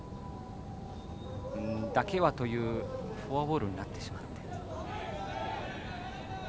「だけは」というフォアボールになってしまって。